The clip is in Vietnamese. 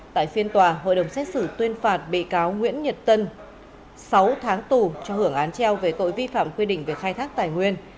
tại phiên tòa hội đồng xét xử tuyên phạt bị cáo nguyễn nhật tân sáu tháng tù cho hưởng án treo về tội vi phạm quy định về khai thác tài nguyên